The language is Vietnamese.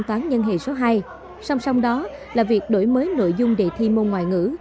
toán nhân hệ số hai song song đó là việc đổi mới nội dung đề thi môn ngoại ngữ